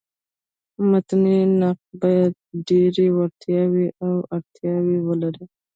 متني نقاد باید ډېري وړتیاوي او اړتیاوي ولري.